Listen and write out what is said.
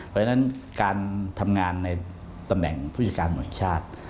เพราะฉะนั้นการทำงานในตำแหน่งผู้จัดการหน่วยชาติ